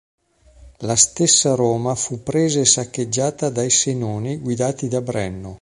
La stessa Roma fu presa e saccheggiata dai Senoni, guidati da Brenno.